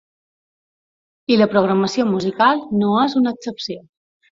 I la programació musical no és una excepció.